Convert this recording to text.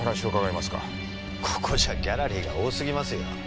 ここじゃギャラリーが多すぎますよ。